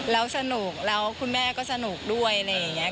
แล้วสนุกแล้วคุณแม่ก็สนุกด้วยอะไรอย่างนี้